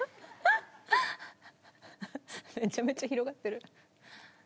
めちゃめちゃ広がってる。